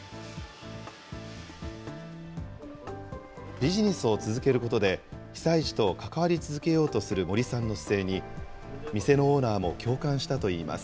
ビジネスを続けることで、被災地と関わり続けようとする森さんの姿勢に、店のオーナーも共感したといいます。